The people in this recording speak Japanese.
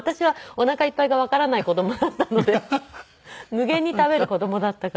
無限に食べる子供だったから。